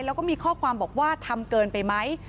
แล้วก็มีข้อความบอกว่าทำเกินไปไหม